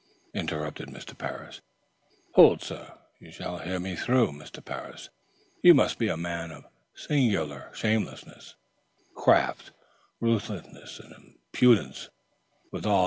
"Charles " interrupted Mr. Parris. "Hold, sir; you shall hear me through. Mr. Parris, you must be a man of singular shamelessness, craft, ruthlessness and impudence, withal.